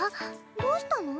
どうしたの？